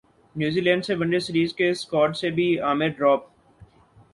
New Zealand سے one day series کے squad سے بھی عامر ڈراپ